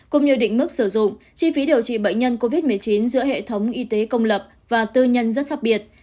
cũng như định mức sử dụng chi phí điều trị bệnh nhân covid một mươi chín giữa hệ thống y tế công lập và tư nhân rất khác biệt